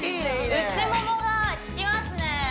内ももがききますね